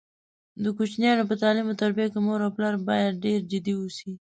د کوچینیانو په تعلیم او تربیه کې مور او پلار باید ډېر جدي اوسي.